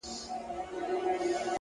زړورتیا د وېرو د ماتولو لومړی ګام دی!